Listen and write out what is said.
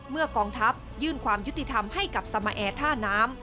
กองทัพยื่นความยุติธรรมให้กับสมาแอร์ท่าน้ำ